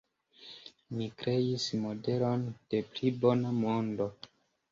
Ni kreis modelon de pli bona mondo.